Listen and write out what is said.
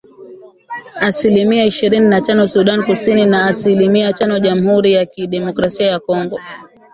asilimia ishirini na tano Sudan Kusini na asilimia tano Jamhuri ya Kidemokrasia ya Kongo